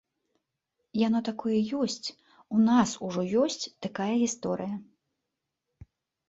Яно такое ёсць, у нас ужо ёсць такая гісторыя.